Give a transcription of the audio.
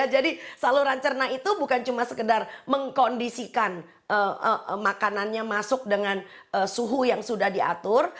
jadi saluran cerna itu bukan cuma sekedar mengkondisikan makanannya masuk dengan suhu yang sudah diatur